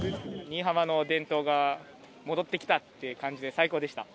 新居浜の伝統が戻ってきたっていう感じで、最高でした。